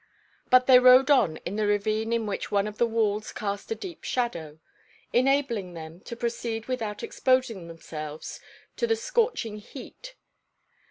But they rode on in the ravine in which one of the walls cast a deep shadow, enabling them to proceed without exposing themselves to the scorching heat.